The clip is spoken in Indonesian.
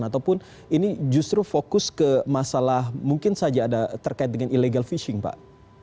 ataupun ini justru fokus ke masalah mungkin saja ada terkait dengan illegal fishing pak